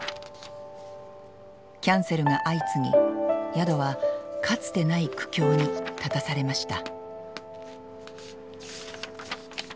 キャンセルが相次ぎ宿はかつてない苦境に立たされました。